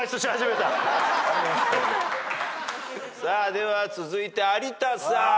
では続いて有田さん。